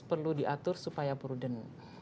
perlu diatur supaya prudent